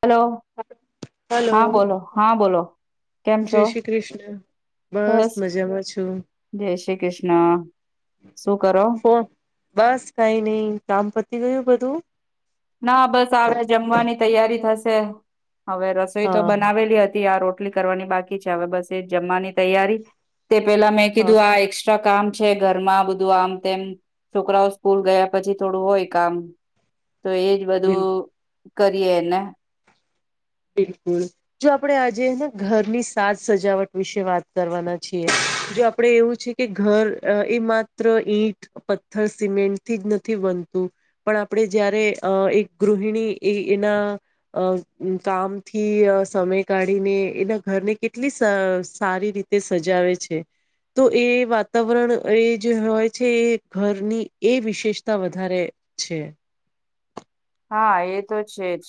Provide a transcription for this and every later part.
Hello, hello હા બોલો, હા બોલો. કેમ છો? જય શ્રી કૃષ્ણ બસ, મજામાં છું જય શ્રી કૃષ્ના. સુ કરો? ફો બસ કઈ નઈ, કામ પતી ગયું બધું? ના બસ આવે આ જમવાની તૈયારી થશે. હવે રસોઈ તો હા બનાવેલી હતી, આ રોટલી કરવાની બાકી છે, હવે બસ એ જ જમાની તૈયારી તે પેલા મેં હા કીધું આ એક્સ્ટ્રા કામ છે ઘરમાં બધું આમ તેમ, છોકરાઓ સ્કૂલ ગયા પછી થોડું હોય કામ [inaudible] તો એજ બિલ બધું કરીએ ને બિલકુલ જો આપણેે આજેને ઘરની સાજ સજાવટ વિશે વાત કરવાના છીએ. જો આપડે એવું છે કે ઘર અહ એ માત્ર ઈંટ, પથ્થર, સિમેન્ટ થી જ નથી વ બનતું પણ આપણે જયારે અહ એક ગૃહણી એ એના અહ અહ કામથી અહ સમય કાઢીને એના ઘરને કેટલી સ સારી રીતે સજાવે છે. તો એ વાતાવરણ એ જે હોય છે એ ઘરની એ વિશેષતા વધારે છે. હા, એ તો છે જ.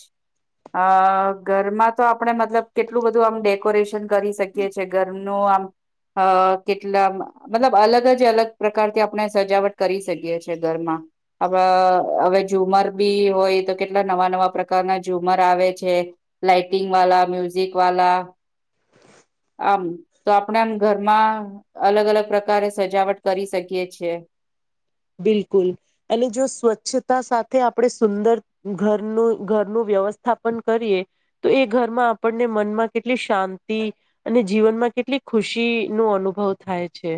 અહ ઘરમાં તો આપડે મતલબ કેટલું બધું આમ ડેકોરેશન કરી શકીએ છીએ ઘર નો આમ. અહ કેટલા મતલબ અલગ જ અલગ પ્રકારથી આપણે સજાવટ કરી શકીએ છીએ ઘરમાં. હવ હવે ઝુમર બી હોય તો કેટલા નવા નવા પ્રકારના ઝુમર આવે છે લાઈટિંગ વાલા મ્યુઝિક વાલા આમ તો આપણે આમ ઘરમાં અલગ અલગ પ્રકારે સજાવટ કરી શકીએ છીએ. બિલકુલ અને જો સ્વચ્છતા સાથે આપણે સુંદર ઘરનું ઘરનું વ્યવસ્થાપન કરીએ તો એ ઘરમાં આપણને મનમાં કેટલી શાંતિ અને જીવનમાં કેટલી ખુશી નો અનુભવ થાય છે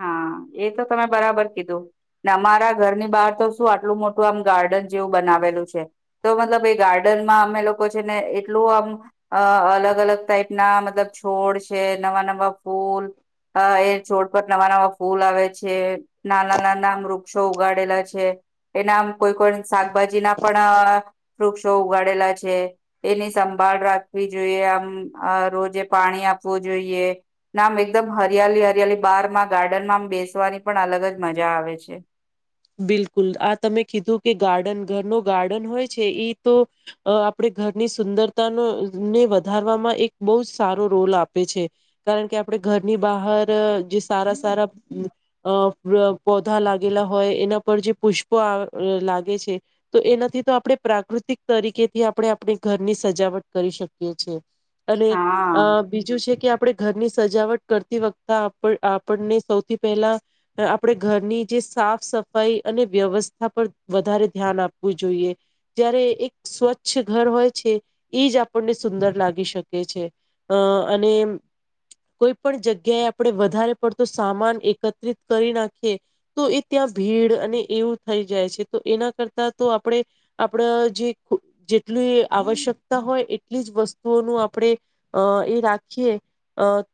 હા એ તો તમે બરાબર કીધું અમારા ઘરની બહાર તો શું આટલું મોટું આમ ગાર્ડન જેવું બનાવે બનાવેલું છે તો મતલબ એ ગાર્ડનમાં અમે લોકો છે ને એટલું આમ અલગ અલગ ત ટાઈપ ના મતલબ છોડ છે નવા નવા ફૂલ એ છોડ પર નવા નવા ફૂલ આવે છે નાના નાના વૃક્ષો ઉગાડેલા છે એનામ કોઈ કોણ શાકભાજી ના પણ વૃક્ષો ઉગાડેલા છે એની સંભા ભાળ રાખવી જોઈએ આમ રોજે પાણી આપવું જોઈએ નામ એકદમ હરિયાળલી હરિયાળલી બાર માં ગાર્ડનમાં બેસવાની પણ અલગ જ મજા આવે છે બિલકુલ આ તમે કીધું કે ગાર્ડન ઘરનો ગાર્ડન હોય છે ઈ તો આપડ ઘરની સુંદરતા ન ને વધારવામાં એક બહુ જ સારો રોલ આપે છે કારણ કે આપણે આપ ઘરની બહાર જે સારા સારા પ પોધા લાગેલા હોય હોય એના પર જે પુષ્પો અ લાગે છે તો એનાથી તો આપણે પ્રાકૃતિક તરીકેથી આ આપડે આપણી ઘરની સજાવટ કરી શકી અને હા બીજું છે કે આપણે ઘરની સજાવટ કરતી વખતા આપણને સૌથી પહેલા આપણે ઘરની જે સાફ સફાઈ અને વ્યવસ્થા પર વધારે ધ્યાન આપવું જોઈએ જ્યારે એક સ્વચ્છ ઘર હોય છે એ જ આપણને સુંદર લાગી શકે છે અ અને કોઈ પણ જગ્યાએ આપણે વધારે પડતું સામાન એકત્રિત કરી નાખીએ તો એ ત્યાં ભીડ અને એવું થઈ જાય છે તો એના કરતા તો આપણેે આપણા જે જેટલી આવશ્યકતા હોય એટલી જ વસ્તુઓનું આપણે એ રાખીએ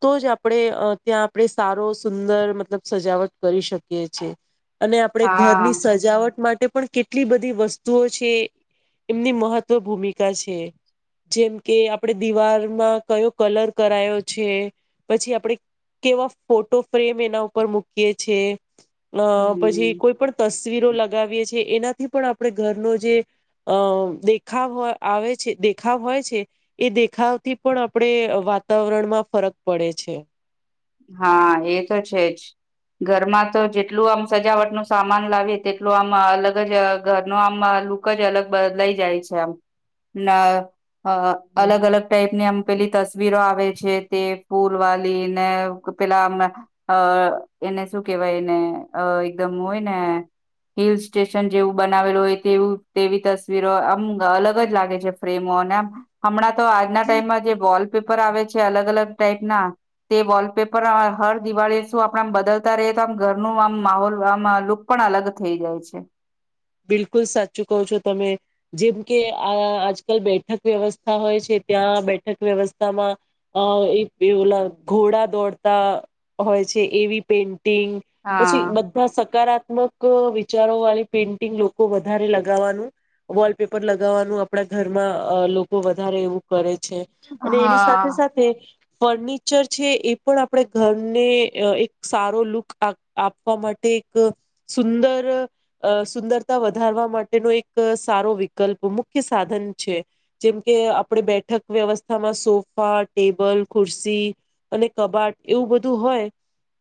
તો જ આપણે ત્યાં આપણે સારો સુંદર મતલબ સજાવટ કરી શકીએ છેીએ અને આપણે હા ઘરની સજાવટ માટે પણ કેટલી બધી વસ્તુઓ છે એમની મહત્વ ભૂમિકા છે જેમ કે આપડે દિવારમાં કયો કલર કરાયો છે પછી આપડે કેવા ફોટો ફ્રેમ એના ઉપર મૂકીએ છે. અહ પછી હમ કોઈ પણ તસવીરો લગાવીએ છીએ એના દી આપડે ઘરનો જે અહ દેખ આવે છે દેખાવ હોય છે એ દેખાવથી પણ આપણડે વાતાવરણમાં ફરક પડે છે. હા, એ તો છે જ. ઘરમાં તો જેટલું આમ સજાવટ નું સામાન લાવી તેટલું આમ અલગ જ ઘર નું આમ અહ અહ લુક જ અલગ બદલાઈ જાય છે આમ ના અહ અલગ અલગ ટાઈપની આમ પેલી તસવીરો આવે છે તે ફૂલ વાલી ને ક પેલા આમના અહ એને શું કેહેવાય એને અહ એકદમ હોય ને હિલ સ્ટેશન જેવું બનાવેલું હોય તેવું તેવી તસવીરો આમ અલગ જ લાગે છે, ફ્રેમો [unintelligible] હમણાં તો આજના ટાઈમમાં જે વોલપેપર આવે છે અલગ- અલગ ટાઈપ ના, તે વોલપેપ પર હર દિવાળી શું આપણા આમ બદલતા રહીએ તો આમ ઘર નુ આમ માહોલ આમ લુક પણ અલગ થઈ જાય. જાય છે. બિલકુલ સાચું કહો છો તમે. જેમ કે આ આ આજકલ બેઠક વ્યવસ્થા હોય છે ત્યાં બેઠક વ્યવસ્થામાં અહ એક બે ઓલા ઘોડા દોડતા હોય છે. એવી પે ન્ટિંગ, પછી હા બધા સકારાત્મક વિચારો વાળી પેન્ ટિંગ લોકો વધારે લગાવવાનું, વોલપેપર લગાવવાનું આપડા ઘરમાં અહ લોકો વધારે એવું કરે છે, અને એની હા સાથે-સાથે ફર્નિચર છે, એ પણ આપણે ઘરને અહ એક સારો લુક આ આપવા માટે એક સુંદર અહ સુંદરતા વધારવા માટેનો એક સારો વિકલ્પ મુખ્ય સાધન છે. જેમ કે આપ ણે બેઠક વ્યવસ્થામાં સોફા, ટેબલ, ખુરસી અને કબાટ એવું બધું હોય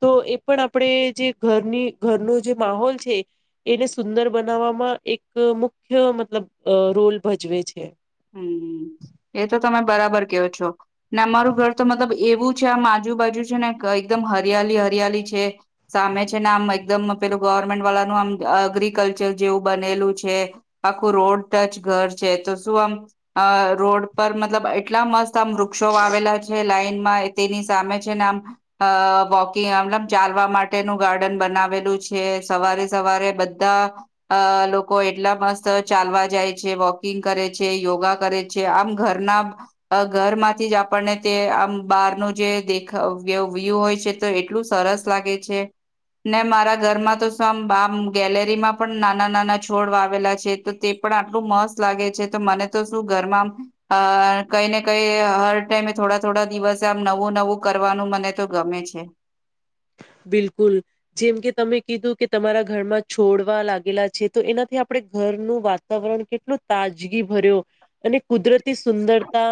તો એ પણ આપણેે જે ઘરની ઘરનું જે માહોલ છે એને સુંદર બનાવવામાં એક મુખ્ય મતલબ રોલ અહ ભજવે છે. હમ્મ. એ તો તમે બરાબર ક્યો છો ને અમારું ઘર તો મતલબ એવું જ છે, આમ આજુબાજુ છે ને ક એકદમ હરિયાલી-હરિયાલી છે, સામે છે ને આમ એકદમ પેલું [unintelligible] ગવર્મેન્ટ વાલાનું આમ અગ્રીકલ્ચર જેવું બનેલું છે. આખું રોડ ટચ ઘર છે. તો [unintelligible] અહ રોડ પર મતલબ એટલા મસ્ત આમ વૃક્ષો વાવેલા છે લાઈનમાં તેની સામે જ [unintelligible] આમ અહ વોકિંગ આમ નામ ચાલવા માટેનું ગાર્ડન બનાવેલું છે. સવારે સવ વારે બધા અહ લોકો એટલા મસ્ત ચાલવા જાય છે, વોકિંગ કરે છે યોગા કરે છે, આમ ઘરના અહ ઘરમાંથી જ આપણને તે આમ બહાર નું જે દેખ વ્ય વ્યૂહ હોય છે તો એટલું સરસ લાગે છે. ને મારા ઘરમાં તો સમ બામ ગેલેરીમાં પણ નાના-નાના છોડ વાવેલા છે તો તે પણ આટલું મસ્ત લાગે છે. તો મને તો શું ઘરમાં આમ અહ કઈ ને કઈ હર ટાઈમે થોડા-થોડા દિવસે આમ નવું-નવું ક કરવાનું મને તો ગમે છે. [inaudible] બિલકુલ. જેમ કે તમે કીધું કે તમારા ઘરમાં છોડવા લાગેલા છે, તો એનાથી આપણે ઘરનું વાતાવરણ કેટલું તાજગી ભર્યું અને કુદરત તી સુંદરતા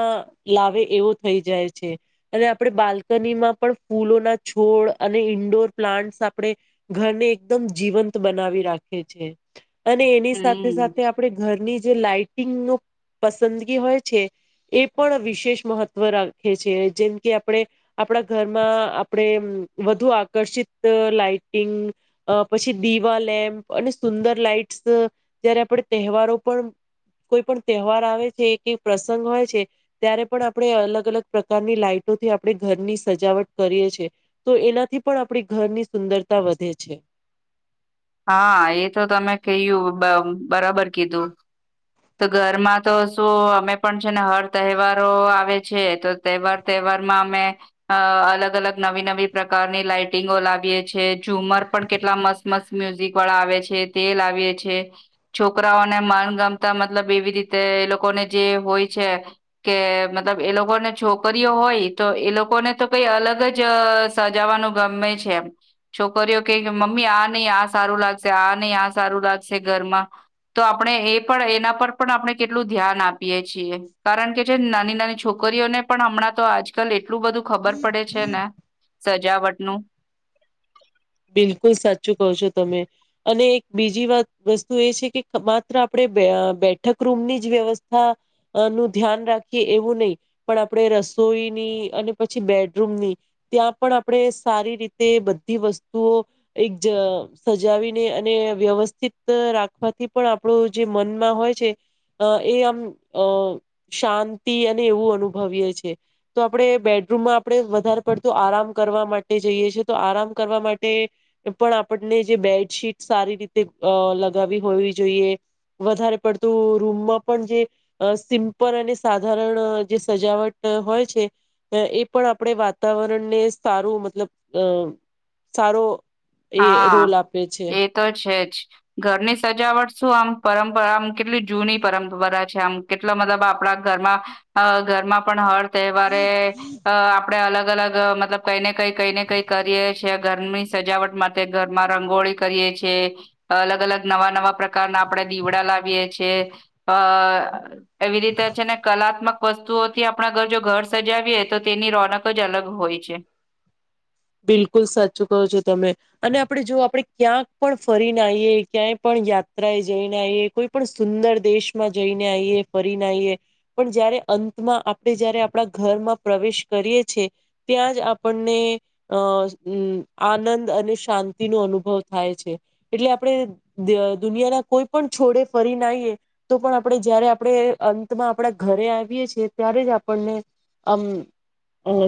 લાવે એવો થઈ જાય છે, અને આપણે બાલ્કનીમાં પણ ફૂલો ના છોડ અને ઇન્ડોર પ્લાન્ટસ આપણે ઘરને એકદમ જીવંત બનાવી રાખે છે. અને એની હમ્મ, સાથે-સાથે આપણે ઘરની જે લાાઈટિંગ નું પસંદગી હોય છે એ પણ વિશેષ મહત્વ રાખે છે, જેમ કે આપણે આપણા ઘરમાં આપણે અમ વધુ આકર્ષિત લાાઈટિંગ, અહ પછી દીવા લેમ્પ અને સુંદર લાાઈટ [unintelligible] જયારે આપણે તહેવારો પણ કોઈ પણ તહેવાર આવે છે, કે પ્રસંગ હોય છે, ત્યારે પણ આપણે અલગ-અલગ પ્રકારની લાઈટ થી આપણે ઘરની સજાવટ કરીએ છે. તો એનાથી પણ આપણી ઘરની સુંદરતા વધે છે. હા એ તો તમે કહ્યું બ બરાબર કીધું. તો ઘરમાં તો શું અમે પણ છે ને હર તહેવારો આવે છે, તો તહેવાર-તહેવા વાર માં અમે અહ અલગ-અલગ નવી-નવી પ્રકારની લાઈટિંગો લાવીએ છે. ઝુમર પણ કેટલા મસ્ત-મસ્ત મ્યુઝિક વાળા આવે છે તે લાવીએ છે. છોકરાઓને મણગમ તા મતલબ એવી રીતે એ લોકોને જે હોય છે કે મતલબ એ લોકોને છોકરીઓ હોય તો એ લોકોને તો કઈ અલગ જ અહ સજાવાનું ગમે છે એમ. છોકરીઓ કે મમ્મી આ નહી આ સારું લાગશે આ નહી આ સારું લાગશે ઘરમાં તો આપણે એ પણ એના પર પણ આપણે કેટલું ધ્યાન આપીએ છીએ. કારણ કે જે નાની નાની છોકરીઓને પણ હમણાં ના તો આજકાલ એટલું બધું ખબર પડે છે ને સજાવટનું બિલકુલ સાચું કહો છો તમે. અને એક બીજી વાત વસ્તુ એ છે કે માત્ર આપડે અહ બેઠક રૂમની જ વ્યવસ્થા અહ નું ધ્યાન રાખીએ એવું નહીં પણ આપડે રસ રસોઈની અને પછી બેડરૂમ ની ત્યાં પણ આપડે સારી રીતે બધી વસ તો એક જ સજાવીને અને વ્યવસ્થિત રાખવાથી પણ આપડું જે મનમાં હોય હોય છે અહ એ આમ અહ શાંતિ અને એવું અનુભવીએ છીએ તો આપડે બે રૂમમાં આપડે વધારે પડતું આરામ કરવા માટે જઈએ છીએ તો આરામ કરવા મા ટે પણ આપણને જે બેડશીટ સારી રીતે અહ લગાવી હોવી જોઈએ. વધારે પડતું રૂમમાં પણ જે અહ સિમ્પલ અને સાધારણ અહ જે સજાવટ અહ હોય છે. ને એ પણ આપડે વાતાવરણને સારું મતલબ અહ સારો હા છે એ તો છે ઘરની સજાવટ શું આમ પરંપરા આમ કેટલી જૂની પરંપરા છે આમ કેટલો મતલબ આપણા ઘરમાં ઘરમાં પણ હર તહેવારે આપણેે અલગ અલગ મતલબ કઈને કંઈ કંઈ ને કંઈ કરીએ છીએ ઘરની સજાવટ માટે ઘરમાં રંગોળી કરીએ છીએ. અલગ-અલગ, નવા-નવા પ્રકારના આપણે દીવડાં લાવીએ છીએ. જીયે એવી રીતે છેને કલાત્મક વસ્તુઓથી આપણા ઘર જો ઘર સજા સજાવીયે તો તેની રોનક જ અલગ હોય છે [inaudible] બિલકુલ સાચું કહો છો તમે અને આપણે જો આપણે ક્યાંક પણ ફરીને આવીએ ક્યાંય પણ યાત્રા એ જઈને આવીએ કોઈ પણ સુંદર દેશમાં જઈને આવીએ ફરીને આવીએ પણ જયારે કે અંતમાં આપણે જયારે આપણા ઘરમાં પ્રવેશ કરીએ છીએ ત્યાં જ આપણને અ આનંદ અને શાંતિનો અનુભવ થાય છે એટલે આપણે ડ દુનિયાના કોઈ પણ છેડે ફરીને આવીએ તો પણ આપણે જયારે આપણે અંતમાં આપણા ઘરે આવી આવીયે જ ત્યારે જ આપણને આમ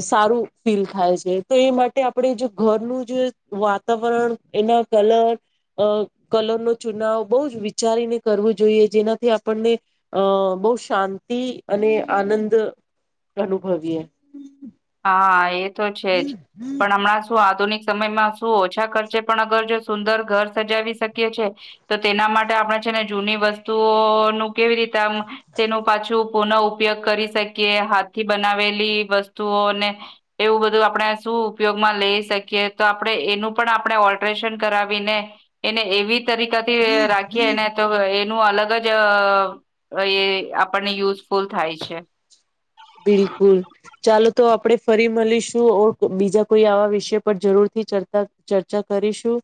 સારું ફીલ થાય છે તો એ માટે તે આપણે જે ઘરનું જે વાતાવરણ એના કલર અ કલરનો ચુનાવ બહુ જ વિચારીને કરવું જોઈએ જેનાથી આપણને અ બોહ શાંતિ અને આનંદ અનુભવીએ હા એ તો છે જ પણ હમણાં શું આધુનિક સમયમાં શું ઓછા ખર્ચે પણ અગર જો સુંદર ઘર સજાવી શકીએ છીએ તો તેના માટે આપણે છેને જૂની વસ્તુઓનું કેવી રીતે આમ તેનું પાછું પુનઃ ઉપયોગ કરી શકીએ કે હાથથી બનાવેલી વસ્ તું ઓને એવું બધું આપણે શું ઉપયોગમાં લઈ શકીએ તો આપણે એનું પણ આપણે ઓલત રેશન કરાવીને એને એવી તરીકાથી રાખીએ એને તો એ નું અલગ જ આપણને યુઝફુલ થાય છે બિલકુલ ચાલો તો આપણે ફરી મળીશું ઓ બીજા કોઈ આવા વિષય પર જરૂરથી ચર્ચા ચર્ચા કરીશું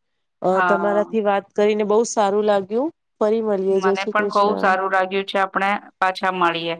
અ હા. તમારાથી વાત કરીને બો સારું લાગ્યું ફરી મળીએ જય મને શ્રી પણ બહુ કૃષ્ણ સારું લાગ્યું છે આપણે પાછા મળીએ